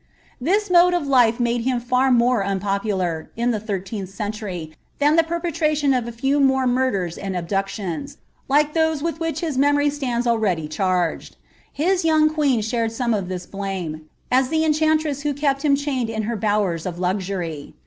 This mode of life made him Ibr man UDpopaltr,B the iliirleenth century, than the perpetration of a few more uurden Ml , abductions, like (hose with which his memory stands already divpA His young queen shared some of this blame, as tlie enchanlKei «rfa» ■ kept hira chained in her bowers of lusury.